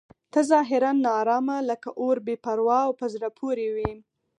ته ظاهراً ناارامه لکه اور بې پروا او په زړه پورې وې.